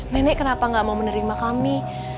nenek kenapa gak mau menerima kami